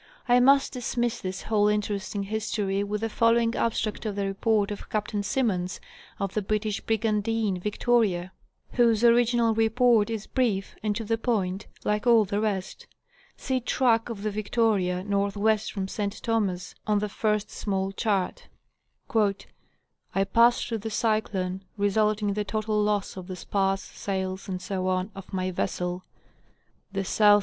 I must dismiss this whole interesting history with the following abstract of the report of Capt. Simmons, of the British brigantine " Victoria," whose original report is brief and to the point, like all the rest (see track of the " Victoria," northwest from St. Thomas, on the first small chart): I passed through the cyclone, resulting in the total loss of the spars, sails, etc., of my vessel. The SE.